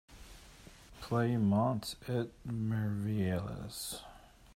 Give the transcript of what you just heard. Play Monts Et Merveilles.